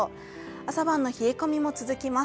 朝晩の冷え込みも続きます。